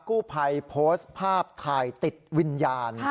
กู้ภัยโพสต์ภาพถ่ายติดวิญญาณ